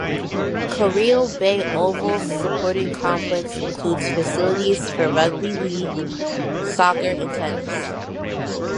Careel Bay Ovals Sporting Complex includes facilities for rugby league, soccer and tennis.